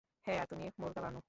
হ্যাঁ আর তুমি, মুরগা বানো।